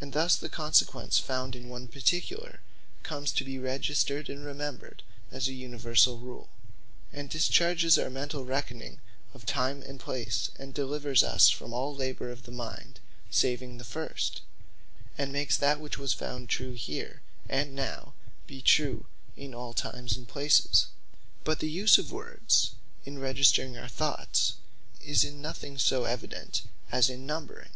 And thus the consequence found in one particular, comes to be registred and remembred, as a Universall rule; and discharges our mentall reckoning, of time and place; and delivers us from all labour of the mind, saving the first; and makes that which was found true Here, and Now, to be true in All Times and Places. But the use of words in registring our thoughts, is in nothing so evident as in Numbering.